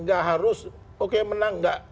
nggak harus oke menang nggak